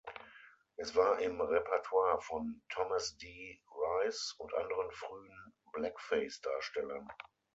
Es war im Repertoire von Thomas D. Rice und anderen frühen Blackface-Darstellern.